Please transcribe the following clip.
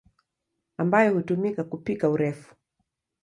ambayo hutumika kupika urefu.